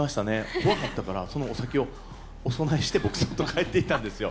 怖かったから、そのお酒をお供えして、僕、そっと帰っていったんですよ。